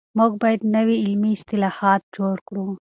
موږ بايد نوي علمي اصطلاحات جوړ کړو.